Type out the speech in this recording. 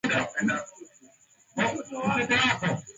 picha hiyo ilishinda tuzo ya bonyeza picha